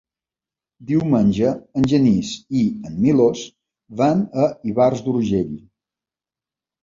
Diumenge en Genís i en Milos van a Ivars d'Urgell.